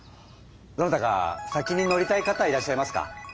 どなたか先に乗りたい方いらっしゃいますか？